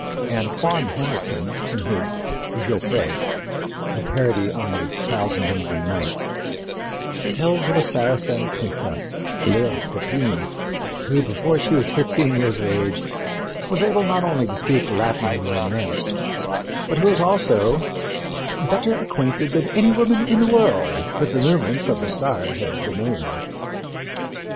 Antoine Hamilton, in his Gaufrey a parody on The Thousand and One Nights tells of a Saracen princess, Fleur d'Épine, who, before she was fifteen years of age, was able not only to speak Latin and Romance, but who was also "better acquainted than any woman in the world with the movements of the stars and the moon."